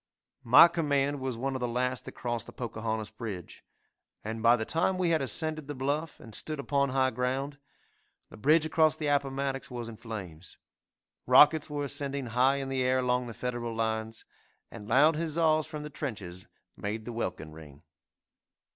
'" My command was one of the last that crossed the Pocahontas bridge, and by the time we had ascended the bluff, and stood upon high ground, the bridge across the Appomattox was in flames rockets were ascending high in the air along the Federal lines, and loud huzzas from the trenches made the welkin ring.